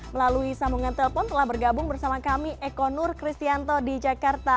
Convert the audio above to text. melalui sambungan telepon telah bergabung bersama kami eko nur kristianto di jakarta